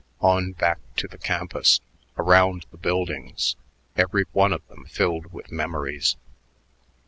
On back to the campus, around the buildings, every one of them filled with memories.